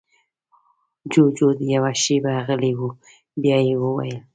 جُوجُو يوه شېبه غلی و، بيا يې وويل: